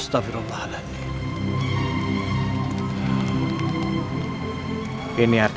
mengapakah membuat ladies mchmaln yang bersepero